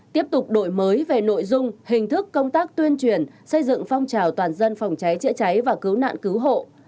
tiếp tục đổi mới về nội dung hình thức công tác tuyên truyền xây dựng phong trào toàn dân phòng cháy chữa cháy và cứu nạn cứu hộ